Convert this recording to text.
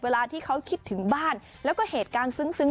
เวลาที่เขาคิดถึงบ้านแล้วก็เหตุการณ์ซึ้ง